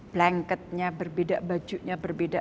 blanketnya berbeda bajunya berbeda